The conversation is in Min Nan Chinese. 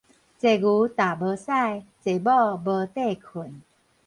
濟牛踏無糞，濟某無底睏